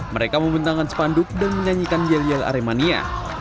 mereka membentangkan sepanduk dan menyanyikan yelial aremania